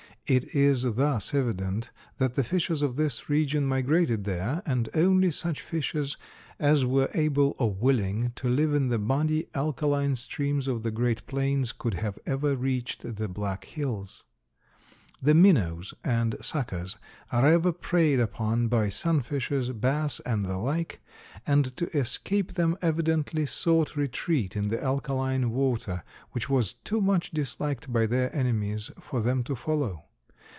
It is thus evident that the fishes of this region migrated there, and only such fishes as were able or willing to live in the muddy, alkaline streams of the great plains could have ever reached the Black Hills. The minnows and suckers are ever preyed upon by sunfishes, bass and the like, and to escape them evidently sought retreat in the alkaline water, which was too much disliked by their enemies for them to follow.